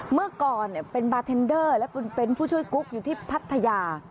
เมื่อก่อนเป็นบาร์เทนเดอร์และเป็นผู้ช่วยกุ๊กอยู่ที่พัทยา